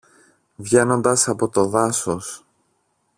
Βγαίνοντας από το δάσος